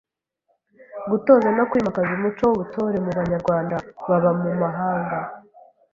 Gutoza no kwimakaza umuco w’ubutore mu banyarwanda baba mu mahanga